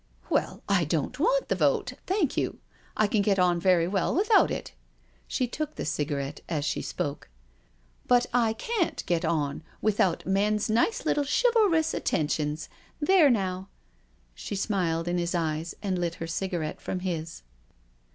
" Well, I don't want the vote, thank you— I can get on very well without it." She took the cigarette as she spoke. " But I can't get on without men's nice little chivalrous attentions — there now I" She smiled in his eyes and lit her cigarette from his.